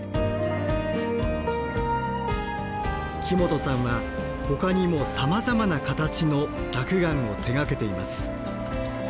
木本さんはほかにもさまざまな形の落雁を手がけています。